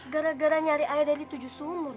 gara gara nyari air dari tujuh sumur